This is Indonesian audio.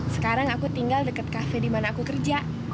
sekarang aku tinggal deket kafe dimana aku kerja